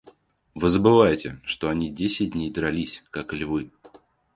Вы забываете, что они десять дней дрались, как львы.